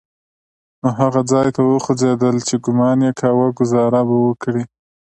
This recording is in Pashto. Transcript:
نو هغه ځای ته وخوځېدل چې ګومان يې کاوه ګوزاره به وکړي.